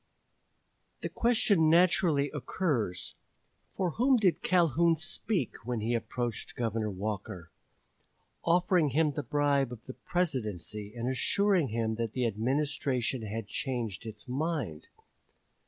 The question naturally occurs, for whom did Calhoun speak when he approached Governor Walker, offering him the bribe of the Presidency and assuring him that the Administration had changed its mind?